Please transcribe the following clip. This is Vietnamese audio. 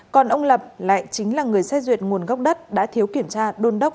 còn ông lập lại chính là người xét duyệt nguồn gốc đất đã thiếu kiểm tra đôn đốc